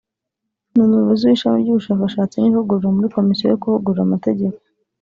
ni Umuyobozi w’Ishami ry’Ubushakashatsi n’Ivugurura muri Komisiyo yo Kuvugurura Amategeko;